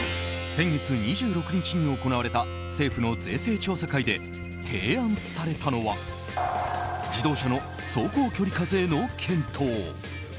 先月２６日に行われた政府の税制調査会で提案されたのは自動車の走行距離課税の検討。